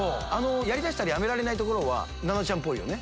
やり出したらやめられないとこは奈々ちゃんっぽいよね。